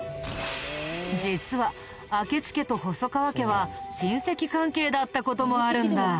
実は明智家と細川家は親戚関係だった事もあるんだ。